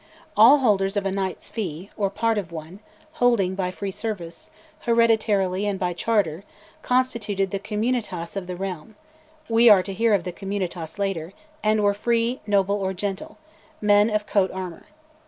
All holders of "a Knight's fee," or part of one, holding by free service, hereditarily, and by charter, constituted the communitas of the realm (we are to hear of the communitas later), and were free, noble, or gentle, men of coat armour.